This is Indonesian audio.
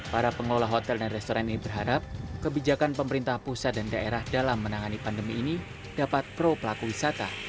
para pengelola hotel dan restoran ini berharap kebijakan pemerintah pusat dan daerah dalam menangani pandemi ini dapat pro pelaku wisata